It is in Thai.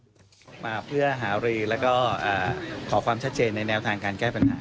ออกมาเพื่อหารือแล้วก็ขอความชัดเจนในแนวทางการแก้ปัญหา